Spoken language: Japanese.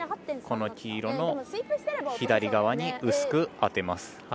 この黄色の左側に薄く当てます。